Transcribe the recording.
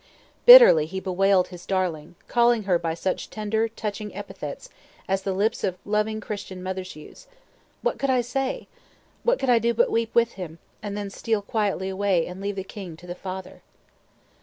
Bitterly he bewailed his darling, calling her by such tender, touching epithets as the lips of loving Christian mothers use. What could I say? What could I do but weep with him, and then steal quietly away and leave the king to the Father?